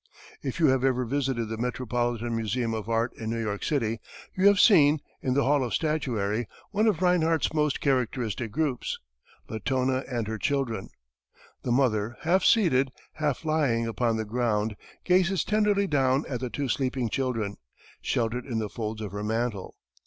If you have ever visited the Metropolitan Museum of Art in New York City, you have seen, in the hall of statuary, one of Rinehart's most characteristic groups, "Latona and Her Children." The mother half seated, half lying upon the ground, gazes tenderly down at the two sleeping children, sheltered in the folds of her mantle.